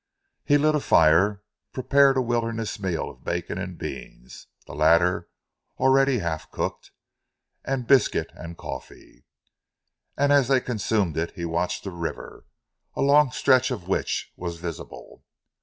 He lit a fire, prepared a wilderness meal of bacon and beans (the latter already half cooked) and biscuit and coffee, and as they consumed it, he watched the river, a long stretch of which was visible.